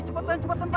cepetan cepetan pak